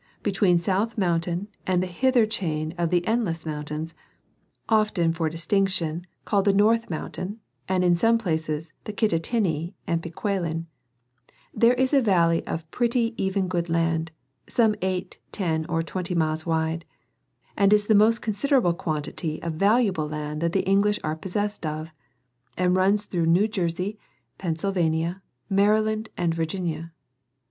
Between South mountain and ,the hither chain of the Endless mountains (often for distinction called the North mountain, and in some places the Kittatinni and Pequelin), there is a valley of pretty even good land, some 8, 10 or 20 miles wide, and is the most considerable quantity of valuable land that the English are possest of ; and runs through New Jersey, Pensilvania, Mariland and Virginia.